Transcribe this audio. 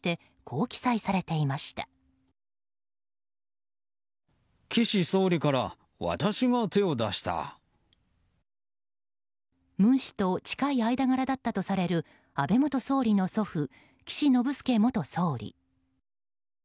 文氏と近い間柄だったとされる安倍元総理大臣の祖父岸信介元総理。